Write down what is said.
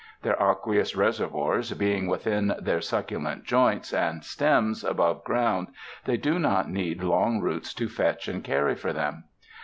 Their aqueous reservoirs being within their succulent joints and stems above ground, they do not need long roots to fetch and carry for them.